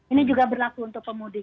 ini juga berlaku untuk pemudik